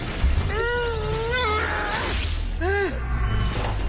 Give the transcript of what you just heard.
うん！